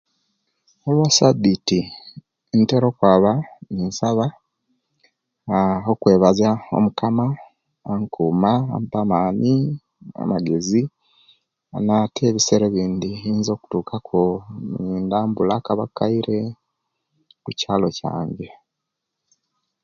Olwe sabiti, ntera okwaba ninsaba, aaa okwebazya omukama, ankuuma, ampa amaani, amagezi, aah Nate ebiseera ebindi nsobola okutuuka ku ninambuula ku abakaire omukyalo kyange.